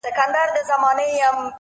پوهه د غوره انتخاب سرچینه ده’